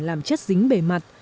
và chất dính bề mặt